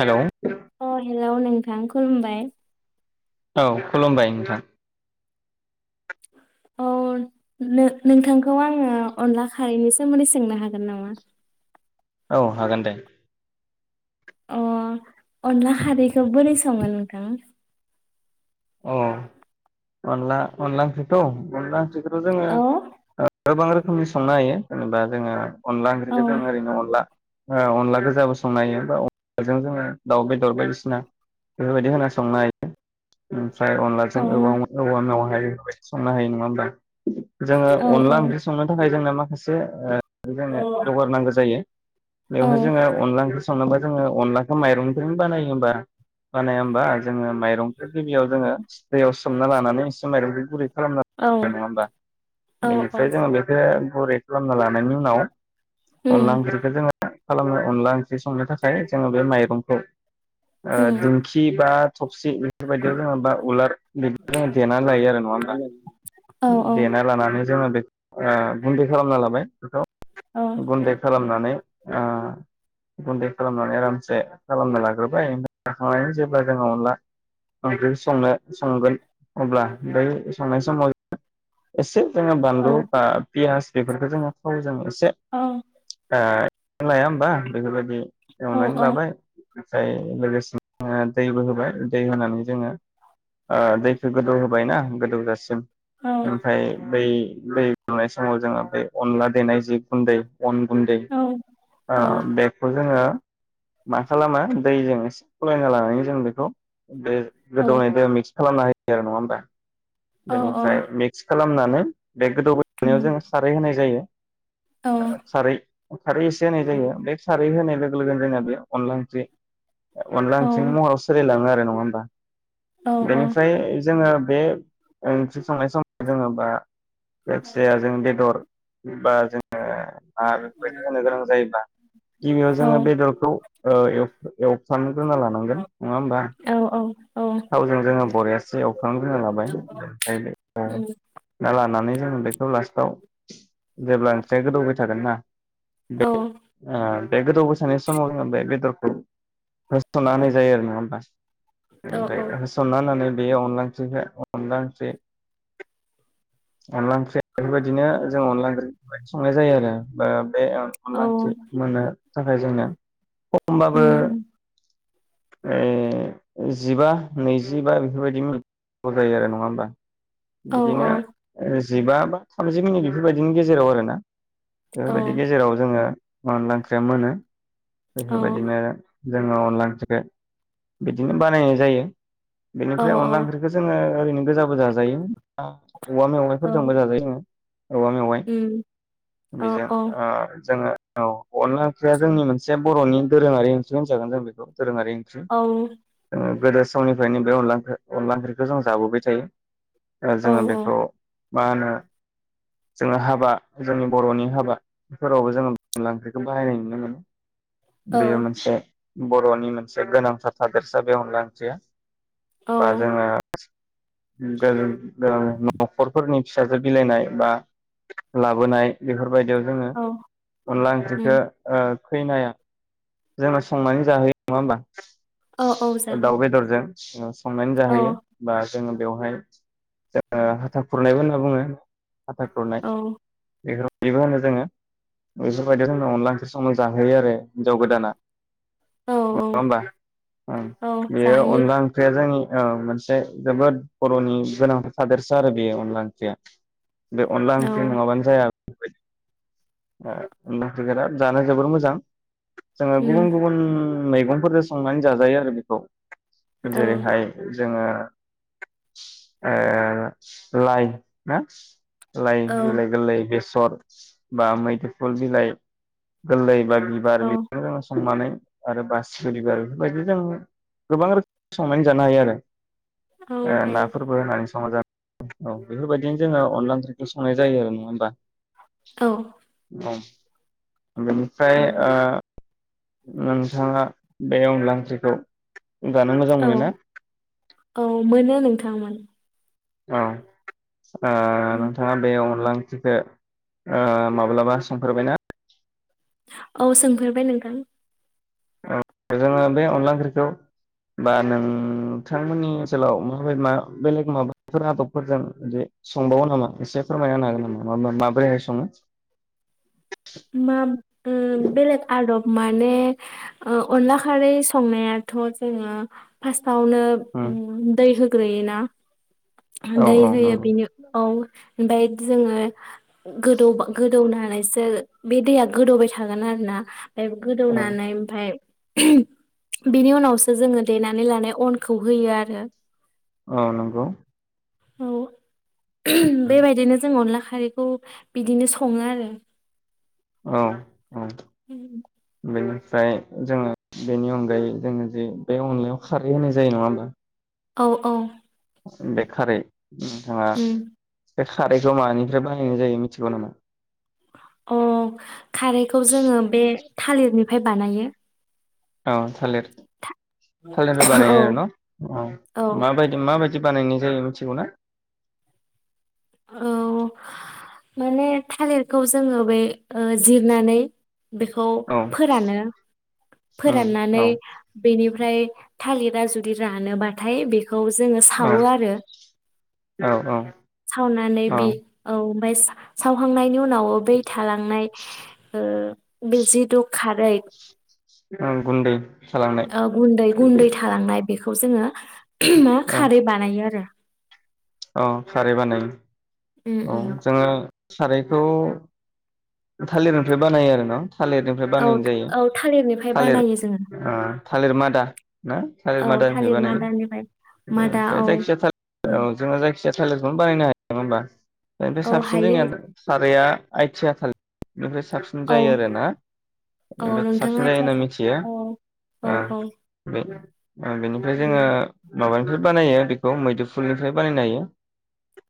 Hello लौ औ नोंथां खुलुमबाय। औ खुलुमबाय नोंथां। औ नो-नोंथांखौ आङो अनला खारैनि सोमोन्दै सोंनो हागोन नामा? औ हागोन दे। अ अनला खारैखो बोरै सङो नोंथां? अ अनला अनला ओंख्रिखौ अनला ओंख्रि [unintelligible] जोङो औ गोबां रोखोमनि संनो हायो जेनेबा जोङो अनला औ ओंख्रिखौ जों ओरैनो अनला ओ अनला गोजाबो संनो हायो बा अनलाजों जोङो दाउ बेदर बायदिसिना बेफोरबायदि होना संनो हायो। ओमफ्राय औ अनलाजों औ-औवा मेवाय संनो हायो नङा होमबा। जोङो औ औ अनला ओंख्रि संनो थाखाय जोंना मा मोनसे ओ औ जोंनो जौगार नांगौ जायो। औ बेवहाय जोङो अनला ओंख्रि संनोबो जोङो अनलाखौ माइरंदोनो बानायो होमबा बानाया होमबा? जोङो माइरं गिबियाव जोङो दैयाव सोमना लानानै एसे माइरं [unintelligible] औ नङा होमबा बेनिफ्राय जोङो बेखो गुरै खालामना लानायनि उनाव अनला उम ओंख्रिखो जोङो खालामनो अनला ओंख्रि संनो थाखाय जोङो बे माइरंखौ ओ दिंखि बा थबसि बेफोरबायदियाव जोङो बा उलार बिदि जोङो देना लायो आरो नङा होमबा? औ देना लानानै जोङो बे ओ गुन्दै खालामना लाबाय बेखौ औ गुन्दै खालामनानै ओ गुन्दै खालामनानै आरामसे खालामना लाग्रोबाय [unintelligible] जेब्ला जोङो अनला ओंख्रि संनो संगोन अब्ला बै संनाय समाव एसे जोङो बानलु बा पियास बेफोरखौ जोङो थाव जों एसे औ ओ लाया होमबा बेफोरबायदि औ एवनानै लाबाय। ओमफ्राय लोगोसेनो दैबो होबाय। दै होनानै जोङो ओ दैखौ गोदौ होबायना गोदौ गोजासिम औ ओमफाय बै दै दुंनाय समाव जोङो बे अनला देनाय जि गुन्दै अन गुन्दै ओ औ बेखौ जोङो मा खालामो दैजों इसे खलायना लानानै जों बेखौ बे गोदौनाय दैयाव मिक्स खालामना होयो यो आरो नंङा होनबा? बेनिफ्राय मिक्स खालामनानै बे गोदौबाय थानायाव उम जोङो खारै होनाय जायो। औ खारै खारै एसे होनाय जायो बे सारै होनाय लोगो लोगोनो जोंना बेयो अनला ओंख्रि अनला औ ओंख्रिनि महराव सोलायलाङो आरो नंङा होमबा? औ औ बेनिफ्राय जोङो बे ओंख्रि संनाय समाव जोङो बा जायखिजाया जों बेदर बा जोङो आरो बेफोरबायदि होनो गोनां जायोबा गिबियाव जोङो बेदरखौ ओ एव-एवफ्राम ग्रोना लानांगोन नङा होमबा? औ थावजों जोङो बरियासे एवफ्राम ग्रोना लाबाय ओमफाय उम ओ ना लानानै जों बेखौ लास्टाव जेब्ला ओंख्रिया गोदौबाय थागोन ना बे औ ओ बे गोदौबाय थानाय समाव जोङो बे-बेदर [unintelligible] होसनना होनाय जायो आरो नङा होमबा? औ इनिफाय औ होसनना होनानै बेयो अनला ओंख्रि जा अनला ओंख्रि अनला ओंख्रिआ बेफोरबायदिनो जों अनदला ओंख्रि बेफोरबादि संनाय जायो आरो। ओ बे ओ औ अनला ओंख्रि मोननो थाखाय जोंना उम। उ जिबा नैजिबा बेफोरबायदि बो जायो आरो नङा होमबा औ बिदिनो जिबा बा थामजि मिनिट बेफोरबायदिनि गेजेराव आरो ना औ बेफोरबायदि गेजेराव जोङो अनलांख्रिया मोनो औ बेफोर बायदिनो जोङो अनला ओंख्रिखौ बिदिनो बानायनाय जायो औ बेनिफ्राय अनला औ ओंख्रिखौ जोङो ओरैनो गोजा गोजा जायो। औ। औवा औ मेवनायफोरजोंबो जाजायो औवा मेवाइ उम औ बेजों औ ओ जोङो औ अनला ओंख्रिया जोंनि मोनसे जे बर'नि दोरोङारि ओंख्रिहोन जागोन जों बेखौ रोंङारि ओंथि औ गोदो समनिफ्रायनो बे अनला ओंख्रि अनला ओंख्रिखौ जों जाबोबाय थायो। अ औ जोङो बेखौ मा होनो जोङो हाबा जोंनि बरनि हाबा बेफोरावबो जोङो अनला ओंख्रिखौ बाहायनाय नुनो मोनो। बेयो मोनसे बरनि मोनसे गोनांथार थादेरसा बे अनला ओंख्रिया। औ बा जोङो द द नखरफोरनि फिसाजो बिलाइनाय बा लाबोनाय बेफोरबायदियाव जोङो औ अनला ओंख्रिखौ उम ओ खैनाया जोंङा संनानै जाहोयो नङा होमबा? औ औ जाहो दाउ बेदरजों उ संनानै औ जाहैयो बा जोङो बेवहाय औ हाथा खुरनायबो ना बुङो हाथा खुरनाय औ एग्र दिबो होनो जोङो बेफोरबायदियाव थांना अनला ओंख्रि संनो जाहोयो आरो जाव गोदाना औ नङा होमबा ओं औ बेयो जाहोयो अनला ओंख्रिया जोंनि औ मोनसे जोबोद बरनि गोनांथार सादोरसा आरो बेयो अनला ओंख्रिया। बे अनला औ ओंख्रि नङाबानो जाया [inaudible] [unintelligible] जानो जोबोर मोजां। जोङो उम गुबुन गुबुन मैगंफोर संनानै जाजायो आरो बेखौ। औ जेरै हाय जोङो ओ लाइ ना लाय औ बिलाय गोरलै बे [unintelligible] सर बा मैदोफुल बिलाइ गोरलै बा बिबार [unintelligible] संनानै आरो बासिगिबिबार बायदि जों गोबां रोखोम संनानै जानो हायो औ आरो हायो नाफोरबो होननानै संना जा औ बेफोरबायदिनो जोङो अनला ओंख्रिखौ संनाय जायो आरो नङा होमबा औ [inaudible] बेनिफ्राय उम ओ नोंथाङा बे अनला ओंख्रिखौ जानो मोजां औ मोनो ना औ मोनो नों थांमोन। औ ओ उम नोंथाङा बेयाव अनलाइंख्रिखौ माब्लाबा संफेरबायना? औ सोंफेरबाय नोंथां जोङो बे अनला ओंख्रिखौ बा नोंथांमोननि ओनसोलाव माब बेलेग माबाफोर आदबफोरजों बि संबावो नामा एसे फोरमायनानो हागोन नामा म माबोरैहाय सङो? मा बेलेग आदब माने अनला खारै संनायाथ जोङो फास आवनो उम दै हो ग्रैयोना औ दै औ होयो नंगौ बिनि औ ओमफाय जोङो गोदौ गोदौनानैसो बे दैया गोदौबाय थागोन आरो ना ओमफ्राय औ गोदौनानै ओमफाय बिनि उनावसो जोङो देनानै लानाय अनखौ होयो आरो औ नंगौ औ बेबायदिनो जों अनला खा खारैखौ बिदिनो सङो आरो औ औ [unintelligible] बेनिफ्राय जोङो बेनि अनगायै जोङो जे बे अनलायाव खारै होनाय जायो नङा होम्बा? औ औ बेखारै नोंथाङा उम बे खारैखौ मानिफ्राय बाहायनाय जायो मिथिगौ नामा? अ खारैखौ जोङो बे थालिरनिफ्राय बानायो औ थालिर था- थालिरनिफ्राय औ बानायो आरो न औ माबायदि माबायदि बानायनाय जायो मिथिगौ ना? औ माने थालिरखौ जोङो बे ओ जिरनानै बेखौ औ फोरानो उम औ फोराननानै बेनि फ्राय थालिरा जुदि रानोबाथाय बे खौ जोङो औ सावो आरो औ औ अनानै औ बि औ ओमबायस सा-सावहांनायनि उनाव उनाव बै थालांनाय ओ बे जिदु खारै ओं गुन्दै खालामनाय ओ गुन्दै गुन्दै थालांनाय बेखौ जोङो [unintelligible] मा खारै बानायो आरो अ खारै बानायो उम औ उम जोङो सारायखौ थालिरनिफ्राय बानायो आरो ना? औ औ थालिरनिफ्राय थालिर बानायो जोङो ओ थालिर मादा ना थालिर औ मादानिफ्राय मादानिफ्राय मादा बानायो औ जायखिया थाल उम, औ जोंङो जायखिजाया थालिर नआवनो बानायनो हायो नंङा होनबा? निफ्राय औ साबसिन हायो जोंङो साराया आयथिया थालि बेनिफ्राय साबसिन औ जायो आरो ना औ बेनिफ्राय नोंथाङा साबसिन जायो आथिया होनना सा- मिथियो औ बे ओ बेनिफ्राय जोङो उम, माबानिफोर बानायो बेखौ मैदु फुलनिफ्राय बानायनो हायो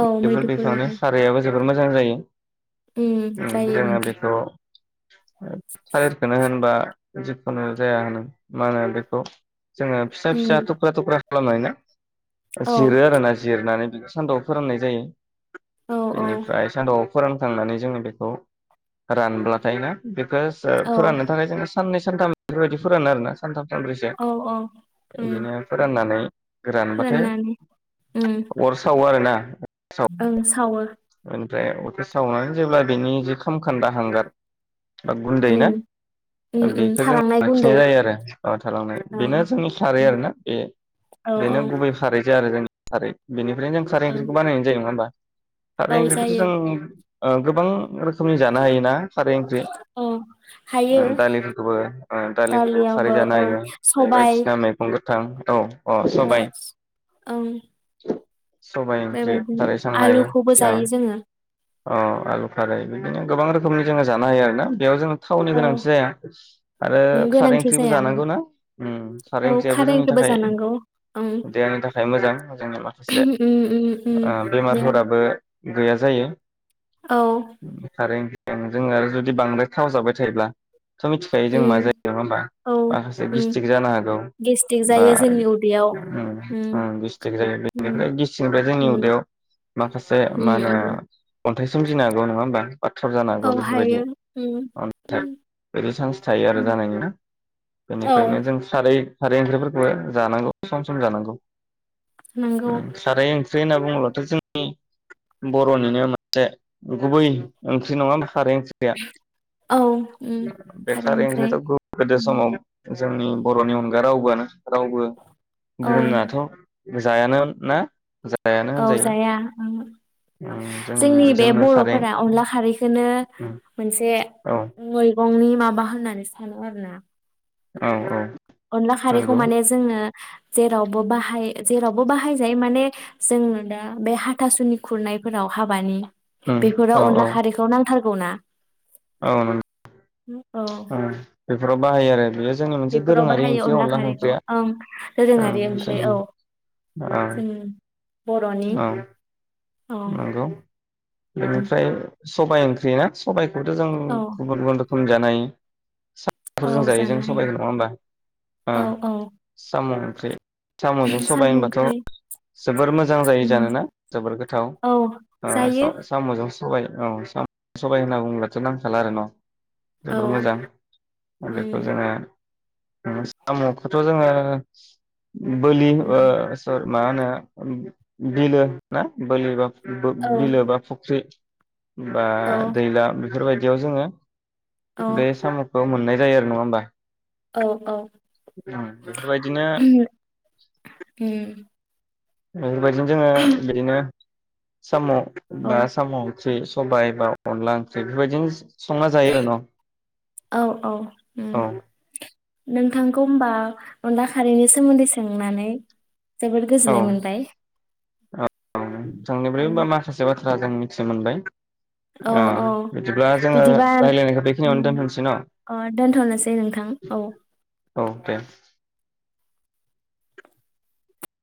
औ बेफोर बेखनो मैदुफुलनिफ्राय साराया बाज बोर मोजां जायो उम जायो नोंथां सालिरखौनो होनबा जिखुनु जाया होनो मा होनो बेखौ जोङो फिसा उम फिसा थख्रा थख्रा खालामनो हायोना? औ जिरो आरो ना जिरनानै सान्दुआव फोराननाय जायो औ औ बिनिफ्राय सानदुआव फोरानखांनानै जोङो बे खौ रानब्लाथायना औ खोसफोराननो थाखाय जों साननै सानथाम बेफोरबायदि फोरानो आरोना सानथाम सानब्रैसो औ औ उम बिदिनो फोराननानै गोरानबाथाय फोराननानै उम अर सावो आरोना [inaudible] ओं सावो। ओमफ्राय अथे सावनानै जेब्ला बेनि जखाम खान्दा हांगार बा गुन्दै उम ना उम उम बेखौ जों थालांनाय लाखिनाय गुन्दै जायो आरोब थालांनाय ओं बेनो जोंनि खारै उम, आरोना औ औ बेनो गुबै खारैजों आरो जोंनि आरो बेनि। ओफ्राय जों खारै औ ओंख्रिखौनाय सानायनाय जायो नंआ होनबा खारै औ ओंख्रिखौथ जायो जों ओ गोबां रोखोमनि जानो हायोना। खारै ओंख्रि औ हायो दालिफोरखौबो ओ दालिफोरखौबो खारै दालियावबो जानो औ हो सबाय बायदिसिना मैगं थां औ अ' सबाय। औ ओं सबाय ओंख्रि खारै संनो हायो। फजायो जोङो। अ आलु खारै बिदिनो गोबां रोखोमनि जोङो जानो हायो आरोना बेयाव जों थावनि औ गोनांथि जाया आरो खारै गोनांथि ओंख्रिबो जाया जानांगौना ओम खारै औ ओंख्रियाबो जोंनि ओंख्रिबो थाखाय जानांगौ ओं देहानि थाखाय मोजां जोंनि माखासे उम उम उम औ दे बेमारफोराबो गैया जायो। औ खारें जोङो आरो जुदि बांद्राय थाव जाबाय थायोब्ला। थ मिथिखायो जों मा उम जायो नङा होमबा औ माखासे उम गिस्टिक जानो हागौ गेस्टिक बा जायो जोंनि उदैयाव ओ उम ओ गिस्टिक जायो उम बेनिफ्राय गिस्टिकनिफ्राय जोंनि उम उदैयाव माखासे मा उम होनो। उम अन्थाइ सोमजिनो हागौ नङा होमबा? बाथ्राव जानो हागौ औ बेफोरबायदि हायो उम अन्थाइ उम बिदि चान्स थायो आरो उम जानायनिना औ बेनिखायनो जों खारै खारै ओंख्रिफोरखौबो जानांगौ सम सम जानांगौ। नंगौ [unintelligible] खारै ख्रै होनना बुङोबथ जोंनि ब रनिनो मोनसे गुबै ओंख्रि नङा होम खारै ओंख्रिया औ उम बे खारै ओंख्रै ओंख्रियाथ गोदो उम समाव जोंनि बर'नि अनगा रावबोआनो रावबो औ गुबुनाथ जायानो ना? जायानो औ होनजायो जाया ओं। जोंनि बे जोंनो खारै बर'फोरा अनला खारैखौनो उम मोनसे औ मैगं। फंनि माबा होननानै सानो आरो ना। औ औ। अनला खारैखौ नंगौ माने जोङो जेरावबो बा हाय जेरावबो बाहाय। जायो माने जोंनो दा बे हाथासुनि खुरनायफोराव हाबानि। उम औ बेफोराव औ अनला खारैखौ नां थारगौना। औ नं हो औ। बेफोराव बाहायो आरो बियो बेफोराव बाहायो अनला खारैखौ ओं दोरोङारि ओंख्रि जों औ औ जों बर'नि। औ औ नंगौ बेनिफ्राय सबाइ ओंख्रि ना सबाइ खौथ जों औ गुबुन गुबुन रो खोम जानाय सा फोरजों औ जायो जों जानो हायो सबायखौ नङा होमबा औ ओम औ साम ओंख्रि सामजों सबाय साम' ओंख्रि होनबाथ जोबोर मोजां जायो उम जानोना जोबोर गो औ ओ जायो सा-सामजों सबाय औ स सबाय होनना बुंब्लाथो नांखाला आरो न जोबोर औ मोजां बेखौ उम जोङो [unintelligible] सामखौथ जोङो बोलि ओ स मा होनो बिलो ना। औ [unintelligible] बिलो बा फुख्रि। बा औ दैला बेफोरबायदियाव जोङो औ बे सामखौ मोननाय जायो आरो नङा होमबा? औ औ। बेफोरबायदिनो [unintelligible] बेफोरबायदिनो जोङो बिदिनो। साम औ बा साम [unintelligible] सबाइ बा अनला ओंख्रि बेफोरबाय औ औ उम औ नोंथांखौ होनोमबा अनला खारैनि सोमोन्दै सोंनानै जोबोद गोजोननाय मोनबाय। थां औ निफ्राया माखासे बाथ्रा थ्रा जों मिथि मोनबाय। औ अ औ बिदिब्ला जोङो बिदिबा राय्लायनायखौ बेखिनियावनो उम, दोनहसै, न अ, दोनथ'नोसै नोंथां औ औ दे।